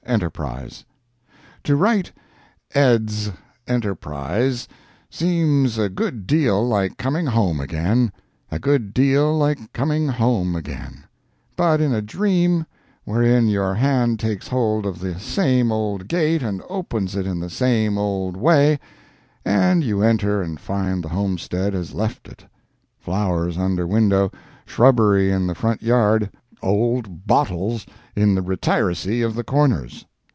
ENTERPRISE:—To write "EDS. ENTERPRISE" seems a good deal like coming home again—a good deal like coming home again—but in a dream wherein your hand takes hold of the same old gate and opens it in the same old way, and you enter and find the homestead as you left it: flowers under window, shrubbery in the front yard, old bottles in the retiracy of the corners.